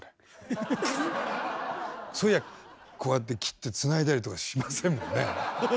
そういやこうやって切ってつないだりとかしませんもんね。